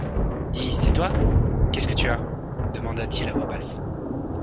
Dis, c'est toi ? qu'est-ce que tu as ? demanda-t-il à voix basse.